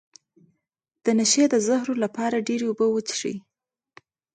د نشې د زهرو لپاره ډیرې اوبه وڅښئ